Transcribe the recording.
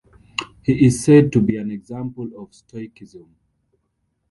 He is said to be an example of stoicism.